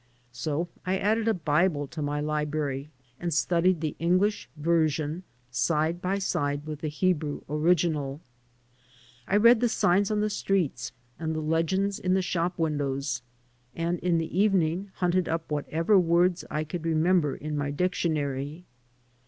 So I added a Bible to my library and studied the English version side by side with the Hebrew original. I read the signs on the streets and the legends in the shop windows, and in the evening hunted up whatever words I could remember in my dictionary.